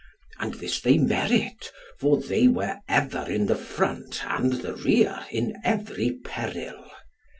And this they merit, for they were ever in the front and the rear in every peril."